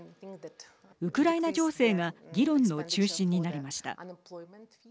ウクライナ情勢が議論の中心になりました。